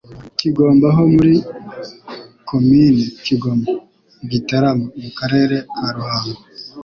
Kigoma ho muri Komini Kigoma I Gitarama (mu Karere ka Ruhango )